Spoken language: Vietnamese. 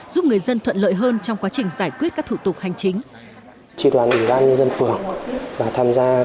giúp người dân thuận lợi hơn trong quá trình giải quyết các thủ tục hành chính